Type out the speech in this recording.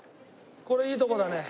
これいいとこだね。